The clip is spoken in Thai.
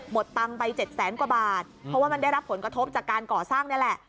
ตังค์ไป๗แสนกว่าบาทเพราะว่ามันได้รับผลกระทบจากการก่อสร้างนี่แหละ